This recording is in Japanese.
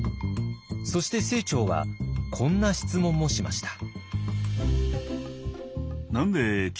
そして清張はこんな質問もしました。